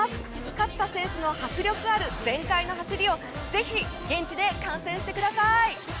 勝田選手の迫力ある全開の走りをぜひ、現地で観戦してください。